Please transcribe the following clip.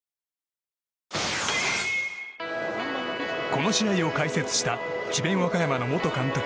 この試合を解説した智弁和歌山の元監督